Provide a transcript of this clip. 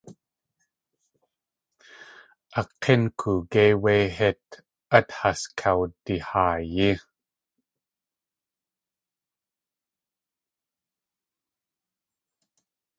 A k̲ín koogéi wé hít át has yawdahaayí.